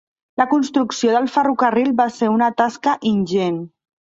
La construcció del ferrocarril va ser una tasca ingent.